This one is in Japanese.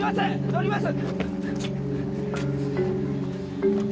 乗ります！